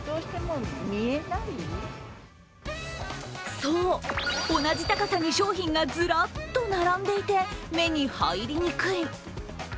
そう、同じ高さに商品がずらっと並んでいて目に入りにくい。